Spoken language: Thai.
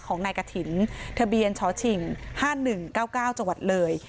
ของนายกะถินทะเบียนชชิง๕๑๙๙จเลย